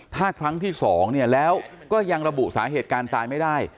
ถ้าครั้งที่๒เนี่ยแล้วก็ยังระบุสาเหตุการตายไม่ได้